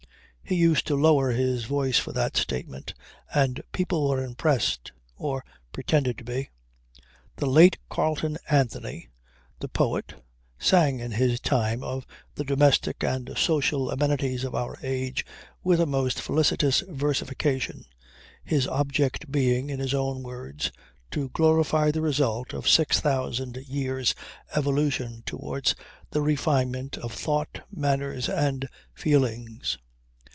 He used to lower his voice for that statement, and people were impressed or pretended to be." The late Carleon Anthony, the poet, sang in his time of the domestic and social amenities of our age with a most felicitous versification, his object being, in his own words, "to glorify the result of six thousand years' evolution towards the refinement of thought, manners and feelings."